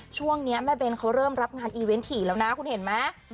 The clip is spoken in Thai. ช่วงนี้แม่เบนเขาเริ่มรับงานอีเวนต์ถี่แล้วนะคุณเห็นไหม